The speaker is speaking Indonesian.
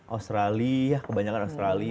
australia kebanyakan australia